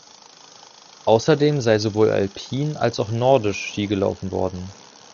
Außerdem sei sowohl alpin als auch nordisch Ski gelaufen worden.